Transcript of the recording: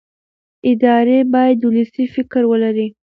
ادارې باید ولسي فکر ولري